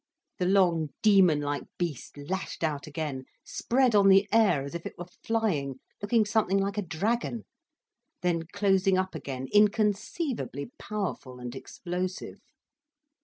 The long, demon like beast lashed out again, spread on the air as if it were flying, looking something like a dragon, then closing up again, inconceivably powerful and explosive.